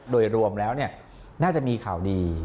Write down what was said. โดยรวมแล้วน่าจะมีข่าวดี